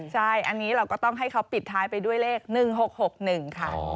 ใช่อันนี้เราก็ต้องให้เขาปิดท้ายไปด้วยเลข๑๖๖๑ค่ะ